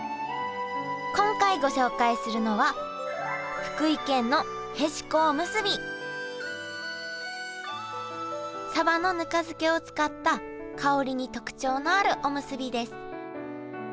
今回ご紹介するのはサバのぬか漬けを使った香りに特徴のあるおむすびです。